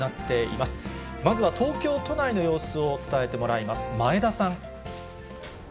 まずは東京都内の様子を伝えてもらいます。